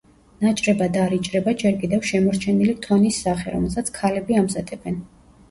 ნაჭრებად არ იჭრება ჯერ კიდევ შემორჩენილი თონის სახე, რომელსაც ქალები ამზადებენ.